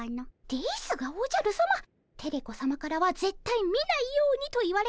ですがおじゃるさまテレ子さまからはぜったい見ないようにと言われておりますが。